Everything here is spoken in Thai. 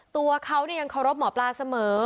ตัวเขายังเคารพหมอปลาเสมอ